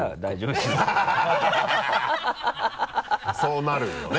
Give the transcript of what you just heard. そうなるよね。